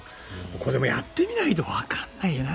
これ、やってみないとわからないよね。